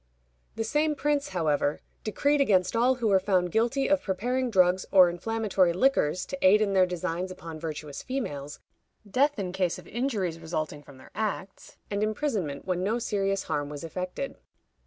The same prince, however, decreed against all who were found guilty of preparing drugs or inflammatory liquors to aid in their designs upon virtuous females, death in case of injuries resulting from their acts, and imprisonment when no serious harm was effected.